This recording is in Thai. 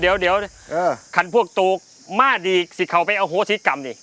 เดี๋ยวคันพวกตู้มาดีสิเขาไปโหดศิษย์กรรมนี่